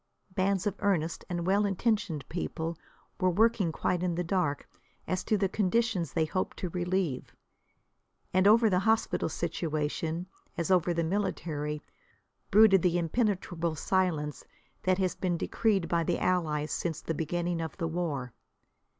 Bands of earnest and well intentioned people were working quite in the dark as to the conditions they hoped to relieve. And over the hospital situation, as over the military, brooded the impenetrable silence that has been decreed by the Allies since the beginning of the war.